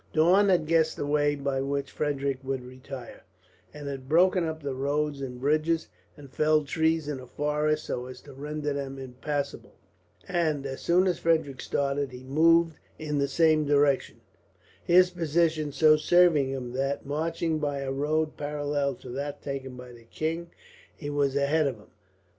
Daun had guessed the way by which Frederick would retire, and had broken up the roads and bridges, and felled trees in the forests so as to render them impassable; and as soon as Frederick started he moved in the same direction, his position so serving him that, marching by a road parallel to that taken by the king, he was ahead of him.